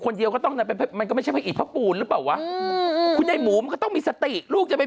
แล้วเป็นเด็กที่แบบว่าไม่รู้แม่สอนมันไง